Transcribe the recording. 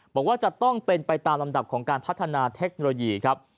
บอกว่าจะต้องเป็นไปตามลำดับของการพัฒนาเทคโนโลยีครับ